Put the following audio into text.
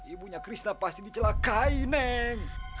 ibunya krisna pasti dicelakai neng